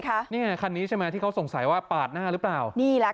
ค่ะเนี่ยคันนี้ใช่ไหมที่เขาสงสัยว่าปาดหน้าหรือเปล่านี่แหละค่ะ